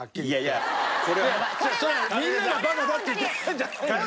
いや違うみんながバカだって言ってるんじゃないのよ。